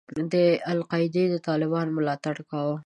القاعدې د طالبانو ملاتړ کاوه.